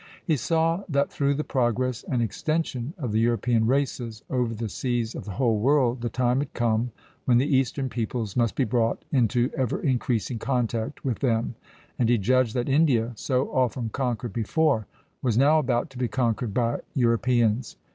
He saw that through the progress and extension of the European races over the seas of the whole world the time had come when the Eastern peoples must be brought into ever increasing contact with them; and he judged that India, so often conquered before, was now about to be conquered by Europeans.